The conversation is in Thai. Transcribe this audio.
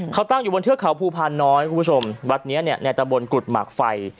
เขาตั้งอยู่บนเทือกเขาภูพานน้อยคุณผู้ชมวัดนี้เนี่ยในตะบนกุฎหมากไฟ